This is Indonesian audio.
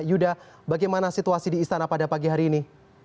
yuda bagaimana situasi di istana pada pagi hari ini